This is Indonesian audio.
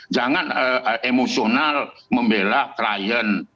jangan emosional membela klien